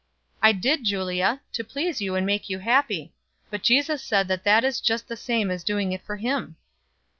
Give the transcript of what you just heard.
"I did, Julia, to please you and make you happy; but Jesus says that that is just the same as doing it for him."